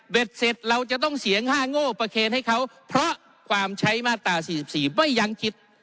เสร็จเราจะต้องเสียง๕โง่ประเคนให้เขาเพราะความใช้มาตรา๔๔ไม่ยังคิด